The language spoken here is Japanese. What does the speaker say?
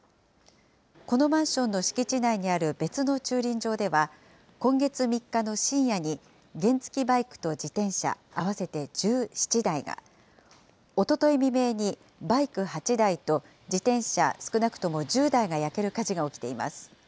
このマンションの敷地内にある別の駐輪場では、今月３日の深夜に、原付きバイクと自転車合わせて１７台が、おととい未明に、バイク８台と自転車少なくとも１０台が焼ける火事が起きています。